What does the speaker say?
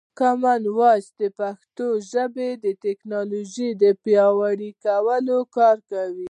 کامن وایس د پښتو ژبې د ټکنالوژۍ پر پیاوړي کولو کار کوي.